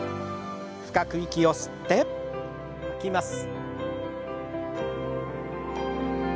深く息を吸って吐きます。